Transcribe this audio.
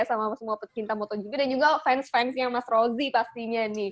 sama semua pecinta motogp dan juga fans fansnya mas rozi pastinya nih